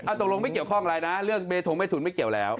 ตกลงไม่เกี่ยวข้องอะไรนะเรื่องเบทงเมทุนไม่เกี่ยวแล้ว